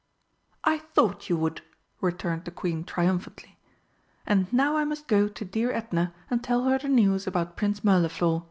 "I thought you would!" returned the Queen triumphantly. "And now I must go to dear Edna and tell her the news about Prince Mirliflor."